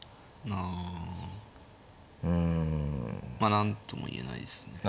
何とも言えないですね。